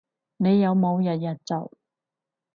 你有冇日日做